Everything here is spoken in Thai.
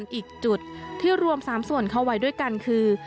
อีกจุดที่รวม๓ส่วนเข้าไว้ด้วยกันคือ